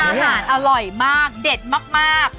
อาหารอร่อยมากเด็ดมาก